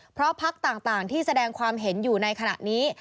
เพราะพักต่างที่แสดงความเห็นอยู่ในขณะนี้